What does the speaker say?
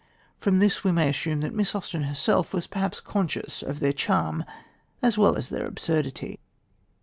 From this we may assume that Miss Austen herself was perhaps conscious of their charm as well as their absurdity.